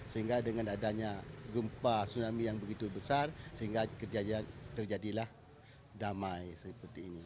sehingga gempa tsunami yang begitu besar sehingga kerjaan terjadilah damai seperti ini